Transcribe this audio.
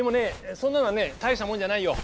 そんなのはね大したもんじゃないよ。